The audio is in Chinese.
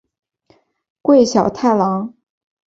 桂小太郎。